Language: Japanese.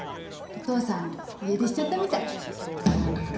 お父さん家出しちゃったみたい。